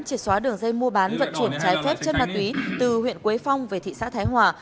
triệt xóa đường dây mua bán vận chuyển trái phép chất ma túy từ huyện quế phong về thị xã thái hòa